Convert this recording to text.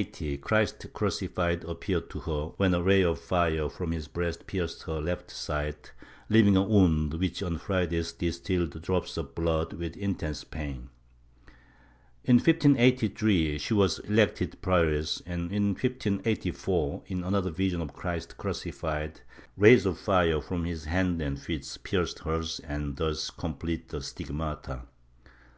About 1580 Christ crucified appeared to her, when a ray of fire from his breast pierced her left side, leaving a wound which on Fridays distilled drops of blood with intense pain. In 1583 she was elected prioress and, in 1584, in another vision of Christ cruci fied, rays of fire from his hands and feet pierced hers and thus completed the Stigmata.